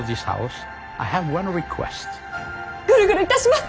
ぐるぐるいたします。